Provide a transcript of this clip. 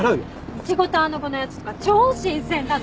イチゴとアナゴのやつとか超新鮮だった。